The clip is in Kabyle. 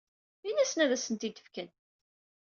Ini-asen ad asent-ten-id-fken.